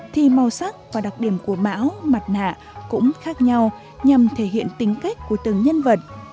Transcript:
thì màu sắc và đặc điểm của mão mặt nạ cũng khác nhau nhằm thể hiện tính cách của từng nhân vật